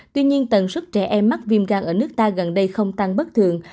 tuy nhiên tần suất trẻ em mắc viêm gan ở nước ta gần đây không tăng bất thường